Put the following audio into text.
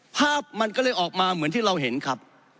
ภาพมันก็เลยออกมาเหมือนที่เราเห็นครับ